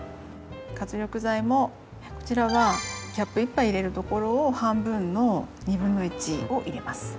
活力剤もこちらはキャップ１杯入れるところを半分の1/2を入れます。